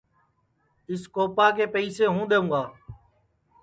اِس کوپا کے پئسے ہوں دؔیوں گا